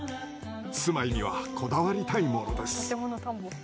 住まいにはこだわりたいものです。